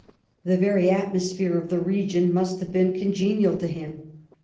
The very atmosphere of the region must have been con genial to him.